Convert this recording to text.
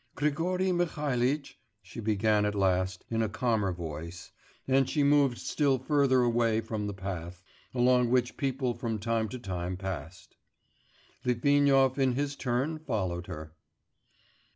'Grigory Mihalitch,' she began at last, in a calmer voice; and she moved still further away from the path, along which people from time to time passed. Litvinov in his turn followed her.